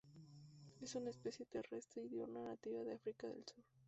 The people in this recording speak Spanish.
Es una especie terrestre y diurna, nativa de África del Sur.